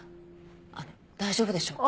あの大丈夫でしょうか。